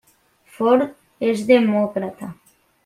Ford és demòcrata.